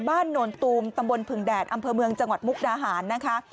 โนนตูมตำบลผึ่งแดดอำเภอเมืองจังหวัดมุกดาหารนะคะ